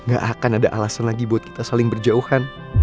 gak akan ada alasan lagi buat kita saling berjauhan